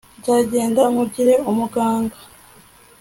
nzagenda nkugire umuganga